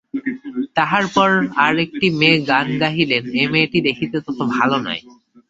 তাহার পর আর একটি মেয়ে গান গাহিলেন, এ মেয়েটি দেখিতে তত ভালো নয়।